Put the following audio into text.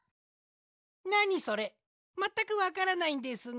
なにそれまったくわからないんですが。